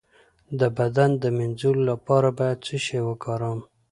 د بدن د مینځلو لپاره باید څه شی وکاروم؟